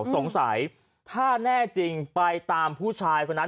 สงสัยถ้าแน่จริงไปตามผู้ชายคนนั้น